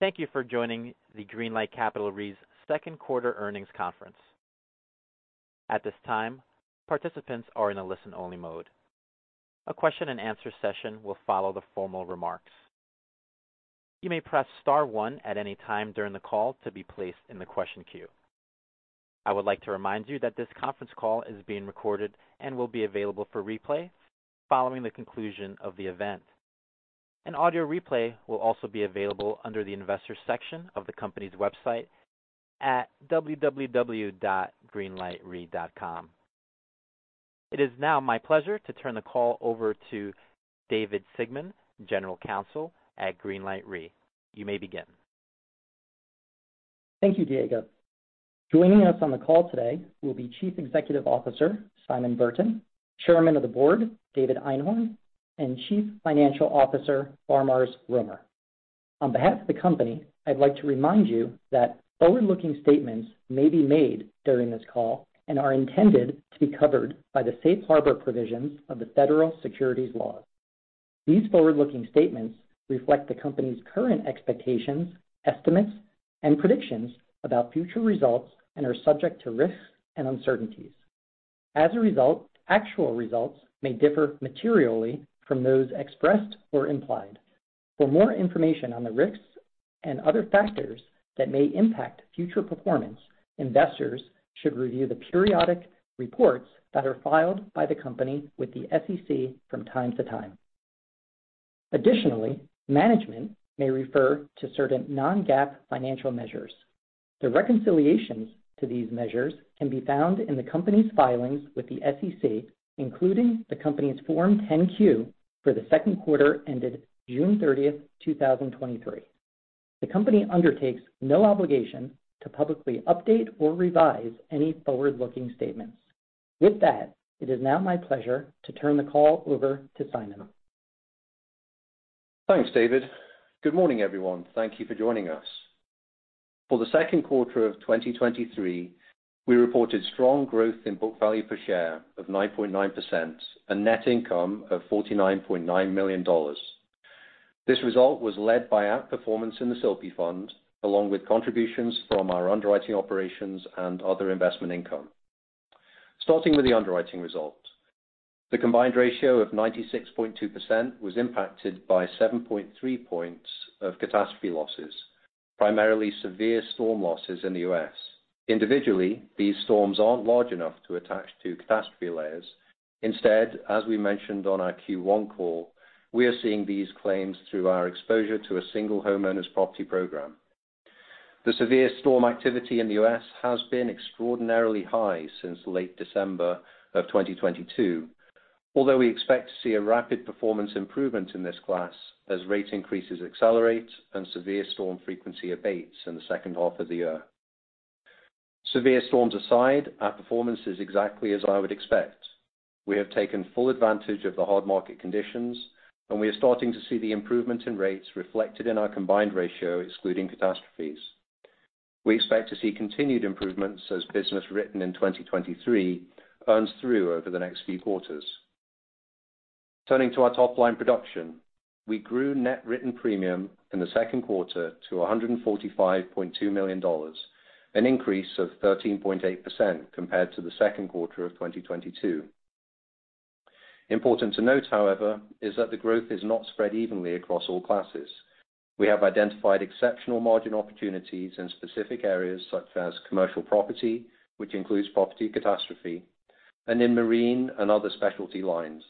Thank you for joining the Greenlight Capital Re's second quarter earnings conference. At this time, participants are in a listen-only mode. A question and answer session will follow the formal remarks. You may press star one at any time during the call to be placed in the question queue. I would like to remind you that this conference call is being recorded and will be available for replay following the conclusion of the event. An audio replay will also be available under the Investors section of the company's website at www.greenlightre.com. It is now my pleasure to turn the call over to David Sigman, General Counsel at Greenlight Re. You may begin. Thank you, Diego. Joining us on the call today will be Chief Executive Officer, Simon Burton, Chairman of the Board, David Einhorn, and Chief Financial Officer, Faramarz Romer. On behalf of the company, I'd like to remind you that forward-looking statements may be made during this call and are intended to be covered by the safe harbor provisions of the Federal securities laws. These forward-looking statements reflect the company's current expectations, estimates, and predictions about future results and are subject to risks and uncertainties. As a result, actual results may differ materially from those expressed or implied. For more information on the risks and other factors that may impact future performance, investors should review the periodic reports that are filed by the company with the SEC from time to time. Additionally, management may refer to certain non-GAAP financial measures. The reconciliations to these measures can be found in the company's filings with the SEC, including the company's Form 10-Q for the second quarter ended June 30th, 2023. The company undertakes no obligation to publicly update or revise any forward-looking statements. With that, it is now my pleasure to turn the call over to Simon. Thanks, David. Good morning, everyone. Thank you for joining us. For the second quarter of 2023, we reported strong growth in book value per share of 9.9% and net income of $49.9 million. This result was led by outperformance in the SILP Fund, along with contributions from our underwriting operations and other investment income. Starting with the underwriting results, the combined ratio of 96.2% was impacted by 7.3 points of catastrophe losses, primarily severe storm losses in the US. Individually, these storms aren't large enough to attach to catastrophe layers. Instead, as we mentioned on our Q1 call, we are seeing these claims through our exposure to a single homeowner's property program. The severe storm activity in the US has been extraordinarily high since late December of 2022, although we expect to see a rapid performance improvement in this class as rate increases accelerate and severe storm frequency abates in the second half of the year. Severe storms aside, our performance is exactly as I would expect. We have taken full advantage of the hard market conditions, and we are starting to see the improvement in rates reflected in our combined ratio, excluding catastrophes. We expect to see continued improvements as business written in 2023 earns through over the next few quarters. Turning to our top-line production, we grew net written premium in the second quarter to $145.2 million, an increase of 13.8% compared to the second quarter of 2022. Important to note, however, is that the growth is not spread evenly across all classes. We have identified exceptional margin opportunities in specific areas such as commercial property, which includes property catastrophe, and in marine and other specialty lines.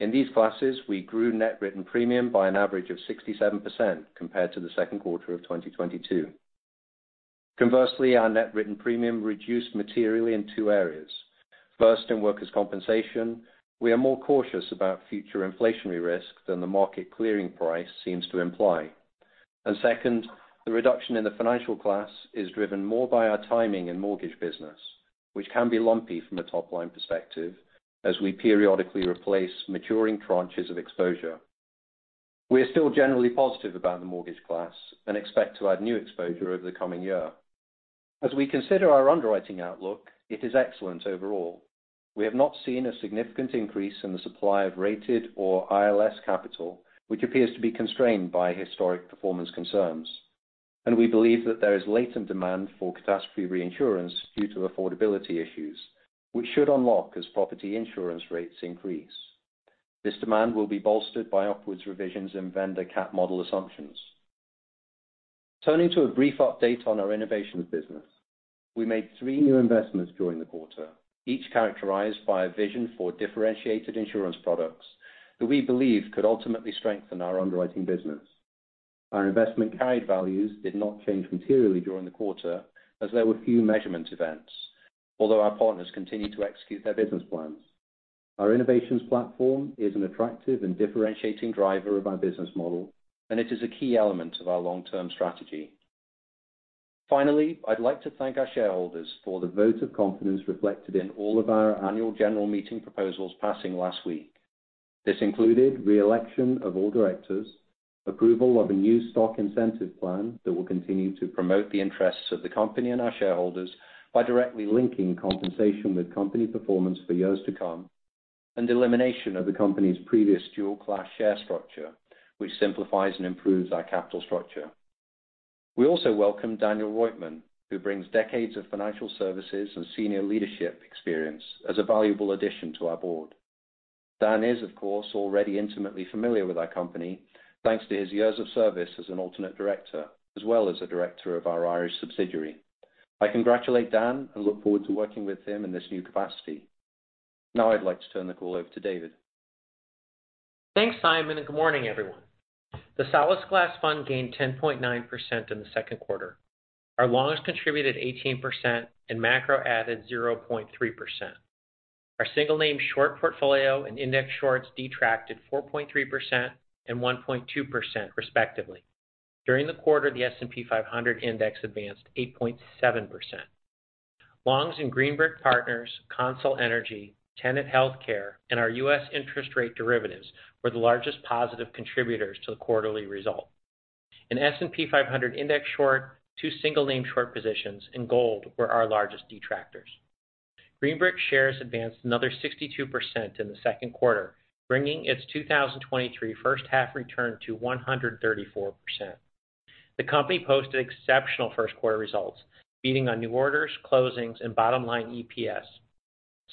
In these classes, we grew net written premium by an average of 67% compared to the second quarter of 2022. Conversely, our net written premium reduced materially in two areas. First, in workers' compensation, we are more cautious about future inflationary risk than the market clearing price seems to imply. Second, the reduction in the financial class is driven more by our timing in mortgage business, which can be lumpy from a top-line perspective as we periodically replace maturing tranches of exposure. We are still generally positive about the mortgage class and expect to add new exposure over the coming year. As we consider our underwriting outlook, it is excellent overall. We have not seen a significant increase in the supply of rated or ILS capital, which appears to be constrained by historic performance concerns. We believe that there is latent demand for catastrophe reinsurance due to affordability issues, which should unlock as property insurance rates increase. This demand will be bolstered by upwards revisions in vendor cat model assumptions. Turning to a brief update on our innovations business. We made three new investments during the quarter, each characterized by a vision for differentiated insurance products that we believe could ultimately strengthen our underwriting business. Our investment carried values did not change materially during the quarter as there were few measurement events, although our partners continued to execute their business plans. Our innovations platform is an attractive and differentiating driver of our business model, and it is a key element of our long-term strategy. Finally, I'd like to thank our shareholders for the vote of confidence reflected in all of our annual general meeting proposals passing last week. This included re-election of all directors, approval of a new stock incentive plan that will continue to promote the interests of the company and our shareholders by directly linking compensation with company performance for years to come, and elimination of the company's previous dual-class share structure, which simplifies and improves our capital structure. We also welcome Daniel Roitman, who brings decades of financial services and senior leadership experience as a valuable addition to our board. Dan is, of course, already intimately familiar with our company, thanks to his years of service as an alternate director, as well as a director of our Irish subsidiary. I congratulate Dan and look forward to working with him in this new capacity. Now I'd like to turn the call over to David. Thanks, Simon, and good morning, everyone. Our loans contributed 18% and macro added 0.3%. Our single-name short portfolio and index shorts detracted 4.3% and 1.2%, respectively. During the quarter, the S&P 500 index advanced 8.7%. Longs and Green Brick Partners, CONSOL Energy, Tenet Healthcare, and our U.S. interest rate derivatives were the largest positive contributors to the quarterly result. In S&P 500 index short, two single-name short positions in gold were our largest detractors. Green Brick shares advanced another 62% in the second quarter, bringing its 2023 first half return to 134%. The company posted exceptional first quarter results, beating on new orders, closings, and bottom line EPS.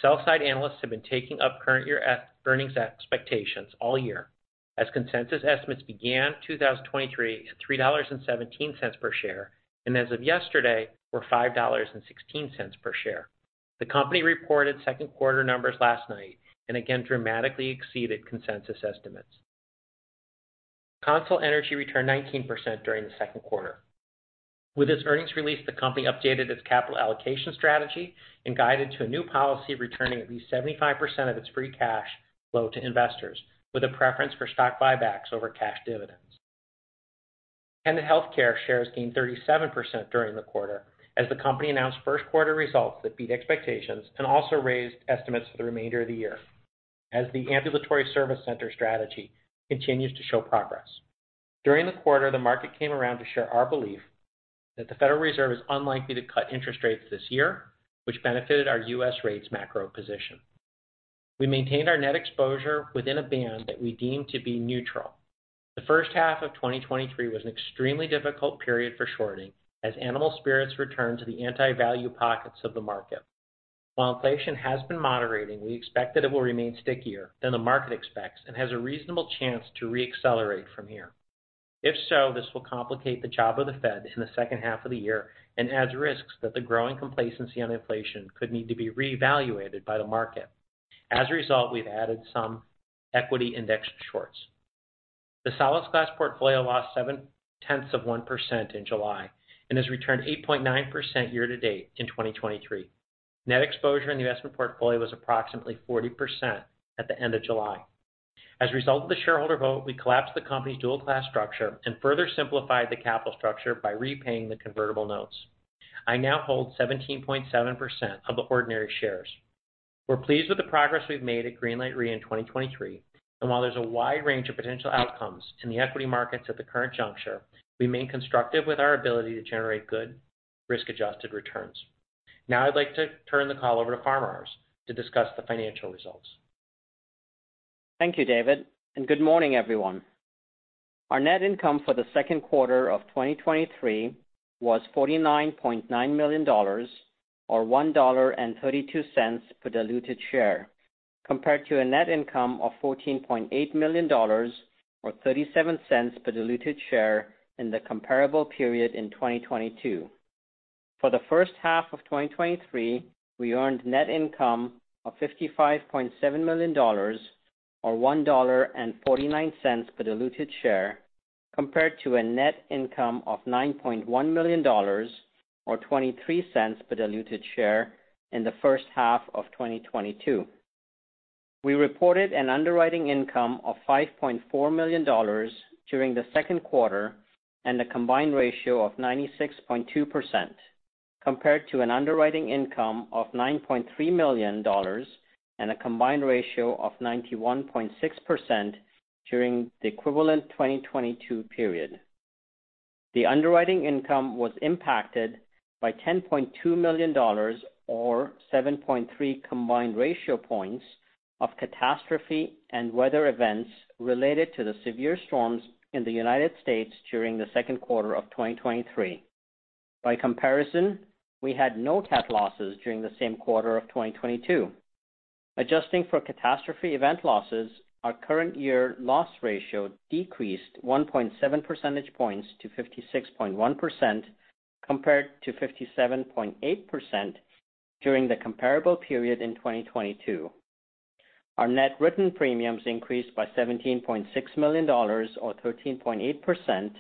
Sell side analysts have been taking up current year earnings expectations all year, as consensus estimates began 2023 at $3.17 per share, and as of yesterday, were $5.16 per share. The company reported second quarter numbers last night, again, dramatically exceeded consensus estimates. CONSOL Energy returned 19% during the second quarter. With its earnings release, the company updated its capital allocation strategy and guided to a new policy, returning at least 75% of its free cash flow to investors, with a preference for stock buybacks over cash dividends. Tenet Healthcare shares gained 37% during the quarter, as the company announced first quarter results that beat expectations and also raised estimates for the remainder of the year, as the ambulatory service center strategy continues to show progress. During the quarter, the market came around to share our belief that the Federal Reserve is unlikely to cut interest rates this year, which benefited our U.S. rates macro position. We maintained our net exposure within a band that we deem to be neutral. The first half of 2023 was an extremely difficult period for shorting, as animal spirits returned to the anti-value pockets of the market. While inflation has been moderating, we expect that it will remain stickier than the market expects and has a reasonable chance to re-accelerate from here. If so, this will complicate the job of the Fed in the second half of the year and adds risks that the growing complacency on inflation could need to be reevaluated by the market. As a result, we've added some equity index shorts. The Solasglas portfolio lost 0.7% in July and has returned 8.9% year to date in 2023. Net exposure in the investment portfolio was approximately 40% at the end of July. As a result of the shareholder vote, we collapsed the company's dual-class structure and further simplified the capital structure by repaying the convertible notes. I now hold 17.7% of the ordinary shares. We're pleased with the progress we've made at Greenlight Re in 2023, and while there's a wide range of potential outcomes in the equity markets at the current juncture, we remain constructive with our ability to generate good risk-adjusted returns. Now I'd like to turn the call over to Faramarz to discuss the financial results. Thank you, David, and good morning, everyone. Our net income for the second quarter of 2023 was $49.9 million, or $1.32 per diluted share, compared to a net income of $14.8 million, or $0.37 per diluted share in the comparable period in 2022. For the first half of 2023, we earned net income of $55.7 million, or $1.49 per diluted share, compared to a net income of $9.1 million, or $0.23 per diluted share in the first half of 2022. We reported an underwriting income of $5.4 million during the second quarter and a combined ratio of 96.2%, compared to an underwriting income of $9.3 million and a combined ratio of 91.6% during the equivalent 2022 period. The underwriting income was impacted by $10.2 million or 7.3 combined ratio points of catastrophe and weather events related to the severe storms in the U.S. during the second quarter of 2023. By comparison, we had no cat losses during the same quarter of 2022. Adjusting for catastrophe event losses, our current year loss ratio decreased 1.7 percentage points to 56.1%, compared to 57.8% during the comparable period in 2022. Our net written premiums increased by $17.6 million, or 13.8%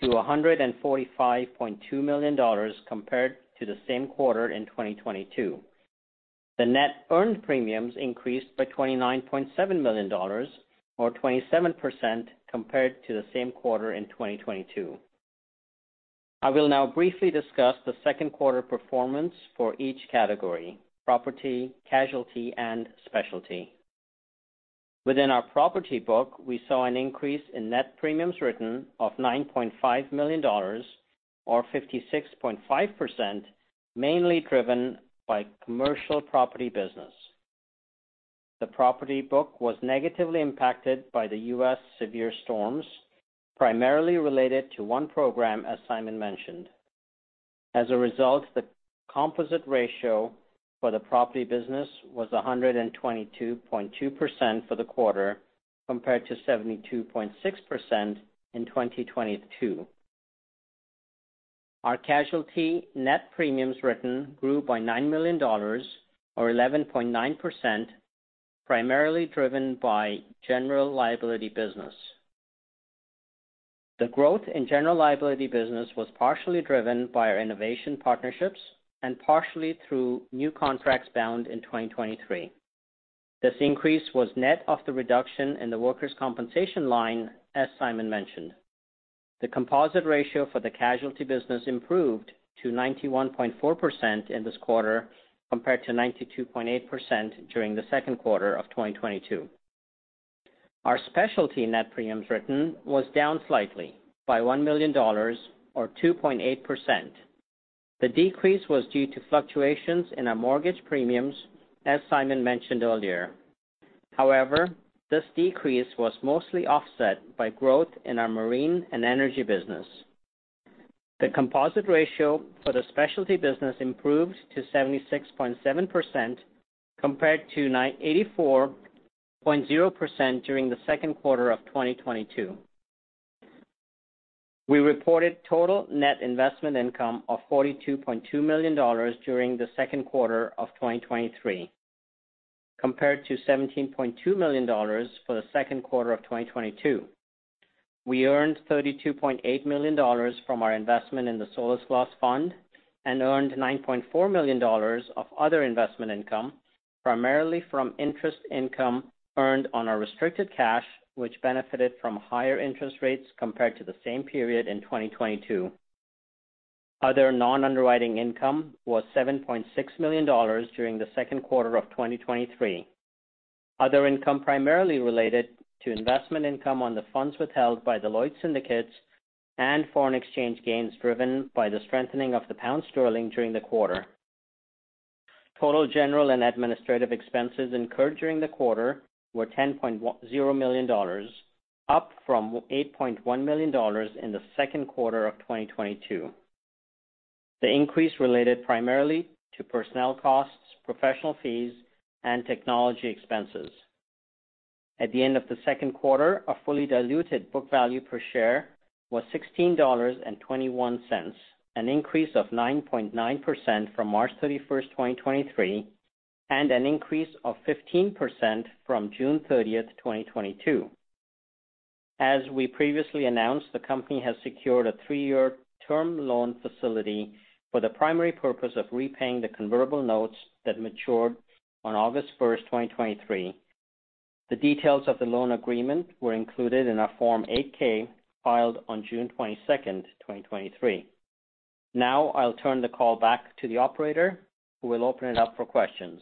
to $145.2 million compared to the same quarter in 2022. The net earned premiums increased by $29.7 million or 27% compared to the same quarter in 2022. I will now briefly discuss the second quarter performance for each category: property, casualty, and specialty. Within our property book, we saw an increase in net premiums written of $9.5 million, or 56.5%, mainly driven by commercial property business. The property book was negatively impacted by the US severe storms, primarily related to one program, as Simon mentioned. As a result, the composite ratio for the property business was 122.2% for the quarter, compared to 72.6% in 2022. Our casualty net premiums written grew by $9 million, or 11.9%, primarily driven by general liability business. The growth in general liability business was partially driven by our innovation partnerships and partially through new contracts bound in 2023. This increase was net of the reduction in the workers' compensation line, as Simon mentioned. The composite ratio for the casualty business improved to 91.4% in this quarter, compared to 92.8% during the second quarter of 2022. Our specialty net premiums written was down slightly by $1 million, or 2.8%. The decrease was due to fluctuations in our mortgage premiums, as Simon mentioned earlier. This decrease was mostly offset by growth in our marine and energy business. The composite ratio for the specialty business improved to 76.7%, compared to 84.0% during the second quarter of 2022. We reported total net investment income of $42.2 million during the second quarter of 2023, compared to $17.2 million for the second quarter of 2022. We earned $32.8 million from our investment in the Solasglas Fund and earned $9.4 million of other investment income, primarily from interest income earned on our restricted cash, which benefited from higher interest rates compared to the same period in 2022. Other non-underwriting income was $7.6 million during the second quarter of 2023. Other income primarily related to investment income on the funds withheld by the Lloyd's syndicates and foreign exchange gains, driven by the strengthening of the pound sterling during the quarter. Total general and administrative expenses incurred during the quarter were $10.10 million, up from $8.1 million in the second quarter of 2022. The increase related primarily to personnel costs, professional fees, and technology expenses. At the end of the second quarter, our fully diluted book value per share was $16.21, an increase of 9.9% from March 31, 2023, and an increase of 15% from June 30, 2022. As we previously announced, the company has secured a three-year Term Loan Facility for the primary purpose of repaying the Convertible notes that matured on August 1, 2023. The details of the loan agreement were included in our Form 8-K, filed on June 22nd, 2023. Now I'll turn the call back to the operator, who will open it up for questions.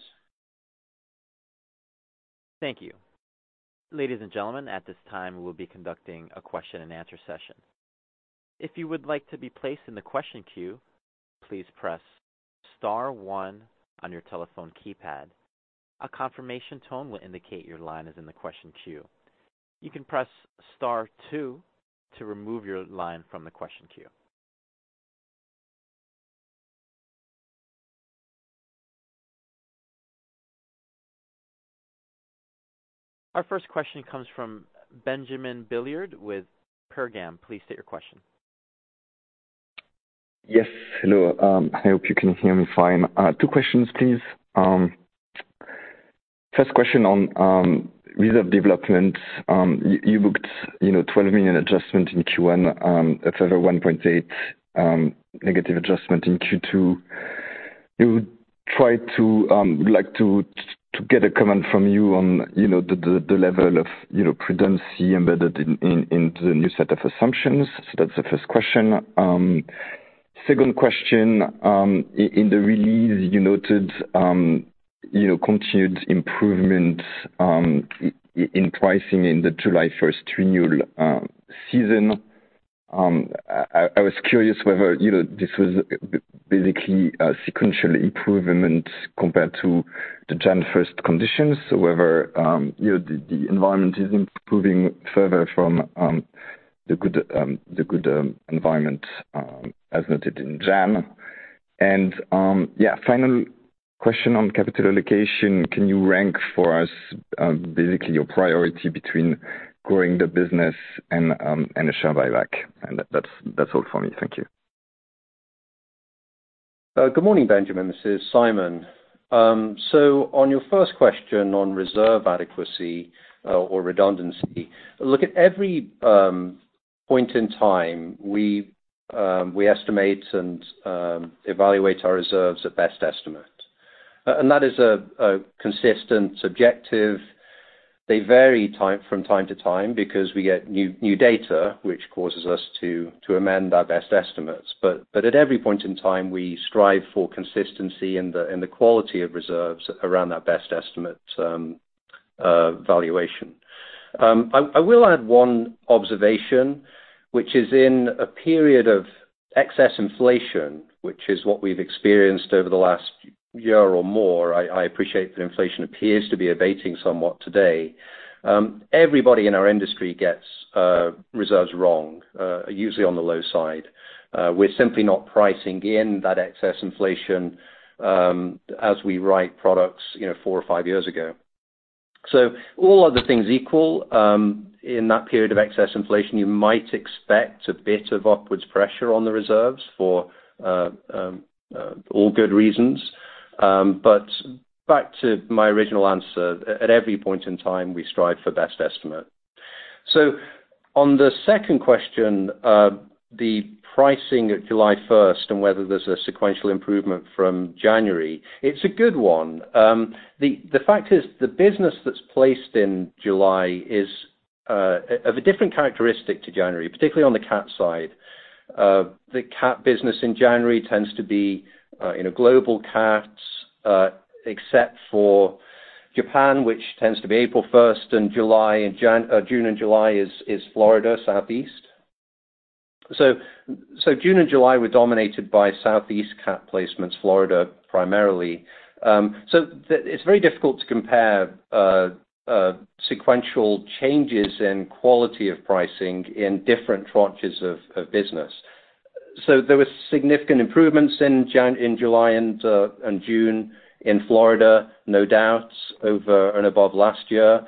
Thank you. Ladies and gentlemen, at this time, we'll be conducting a question-and-answer session. If you would like to be placed in the question queue, please press star one on your telephone keypad. A confirmation tone will indicate your line is in the question queue. You can press star two to remove your line from the question queue. Our first question comes from Benjamin Billiard with Pergam. Please state your question. Yes, hello, I hope you can hear me fine. Two questions, please. First question on reserve developments. You, you booked, you know, $12 million adjustment in Q1, a further $1.8 million negative adjustment in Q2. You try to like to get a comment from you on, you know, the, the, the level of, you know, prudency embedded in, into the new set of assumptions. So that's the first question. Second question, in the release you noted, you know, continued improvement in pricing in the July 1st renewal season. I, I was curious whether, you know, this was basically a sequential improvement compared to the January 1st conditions. So whether, you know, the, the environment is improving further from the good, the good environment, as noted in January. Yeah, final question on capital allocation, can you rank for us, basically your priority between growing the business and, and the share buyback? That's, that's all for me. Thank you. Good morning, Benjamin, this is Simon. On your first question on reserve adequacy, or redundancy, look, at every point in time, we estimate and evaluate our reserves at best estimate. And that is a consistent objective. They vary from time to time because we get new, new data, which causes us to, to amend our best estimates. But at every point in time, we strive for consistency in the quality of reserves around our best estimate valuation.... I, I will add one observation, which is in a period of excess inflation, which is what we've experienced over the last year or more, I, I appreciate that inflation appears to be abating somewhat today. Everybody in our industry gets reserves wrong, usually on the low side. We're simply not pricing in that excess inflation, as we write products, you know, four or five years ago. All other things equal, in that period of excess inflation, you might expect a bit of upwards pressure on the reserves for all good reasons. Back to my original answer. At every point in time, we strive for best estimate. On the second question, the pricing at July 1st and whether there's a sequential improvement from January, it's a good one. The, the fact is, the business that's placed in July is of a different characteristic to January, particularly on the cat side. The cat business in January tends to be in a global cats, except for Japan, which tends to be April first and July and June and July is Florida, Southeast. June and July were dominated by Southeast cat placements, Florida, primarily. It's very difficult to compare sequential changes in quality of pricing in different tranches of business. There was significant improvements in July and June in Florida, no doubts, over and above last year.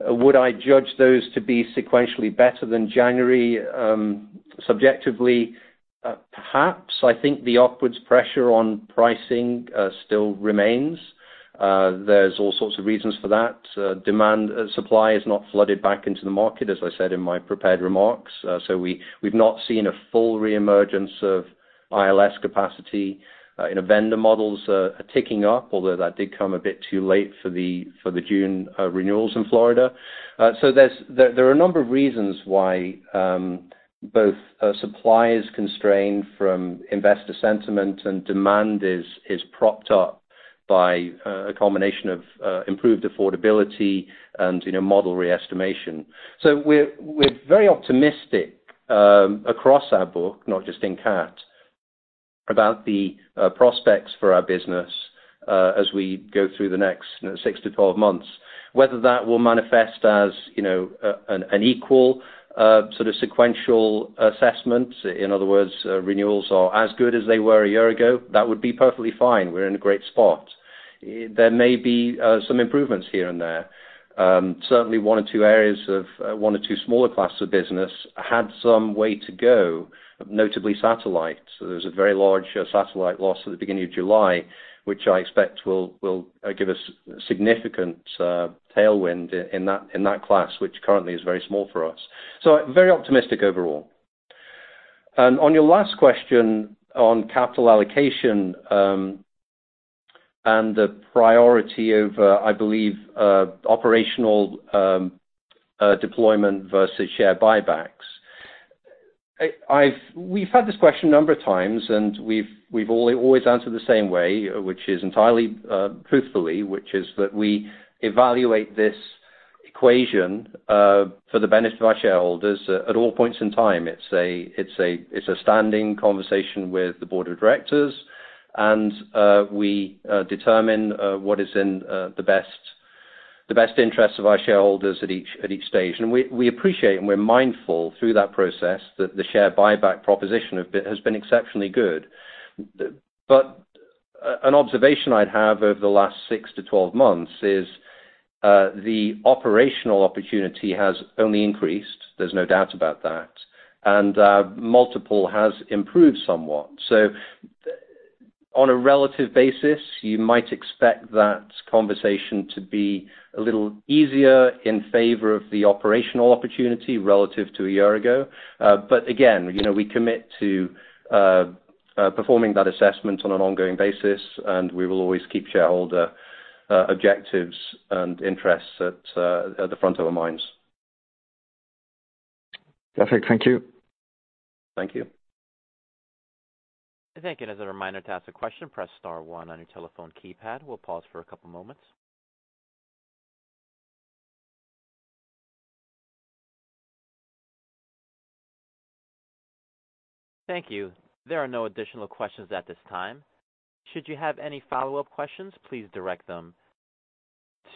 Would I judge those to be sequentially better than January? Subjectively, perhaps. I think the upwards pressure on pricing still remains. There's all sorts of reasons for that. Demand and supply is not flooded back into the market, as I said in my prepared remarks. We, we've not seen a full reemergence of ILS capacity. You know, vendor models are ticking up, although that did come a bit too late for the June renewals in Florida. There are a number of reasons why both supply is constrained from investor sentiment and demand is, is propped up by a combination of improved affordability and, you know, model re-estimation. We're, we're very optimistic across our book, not just in cat, about the prospects for our business as we go through the next six to twelve months. Whether that will manifest as, you know, an equal sort of sequential assessment, in other words, renewals are as good as they were a year ago, that would be perfectly fine. We're in a great spot. There may be some improvements here and there. Certainly one or two areas of one or two smaller classes of business had some way to go, notably satellite. There was a very large satellite loss at the beginning of July, which I expect will, will give us significant tailwind in that, in that class, which currently is very small for us. Very optimistic overall. On your last question on capital allocation, and the priority over, I believe, operational deployment versus share buybacks. I've we've had this question a number of times, and we've, we've always answered the same way, which is entirely truthfully, which is that we evaluate this equation for the benefit of our shareholders at all points in time. It's a, it's a, it's a standing conversation with the board of directors, and we determine what is in the best, the best interests of our shareholders at each, at each stage. We, we appreciate and we're mindful through that process that the share buyback proposition have been, has been exceptionally good. An observation I'd have over the last 6-12 months is the operational opportunity has only increased. There's no doubt about that. Multiple has improved somewhat. On a relative basis, you might expect that conversation to be a little easier in favor of the operational opportunity relative to a year ago. Again, you know, we commit to performing that assessment on an ongoing basis, and we will always keep shareholder objectives and interests at the front of our minds. Perfect. Thank you. Thank you. Thank you. As a reminder, to ask a question, Press star one on your telephone keypad. We'll pause for a couple moments. Thank you. There are no additional questions at this time. Should you have any follow-up questions, please direct them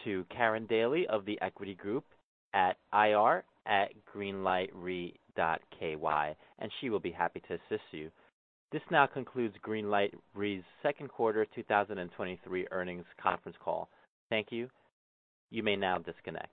to Karen Daly of The Equity Group at ir@greenlightre.ky, and she will be happy to assist you. This now concludes Greenlight Re's second quarter 2023 earnings conference call. Thank you. You may now disconnect.